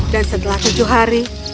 dan setelah tujuh hari